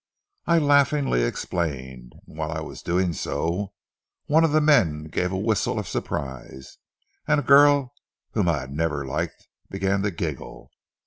"I laughingly explained, and whilst I was doing so, one of the men gave a whistle of surprise, and a girl whom I had never liked began to giggle.